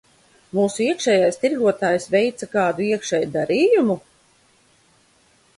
Mūsu iekšējais tirgotājs veica kādu iekšēju darījumu?